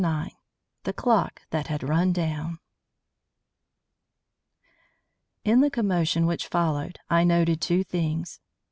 IX THE CLOCK THAT HAD RUN DOWN In the commotion which followed, I noted two things.